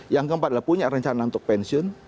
yang keempat adalah punya rencana untuk pensiun